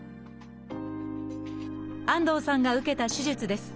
安藤さんが受けた手術です。